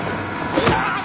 うわっ！